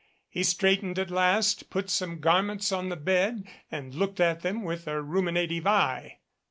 He straightened at last, put some gar ments on the bed and looked at them with a ruminative eye.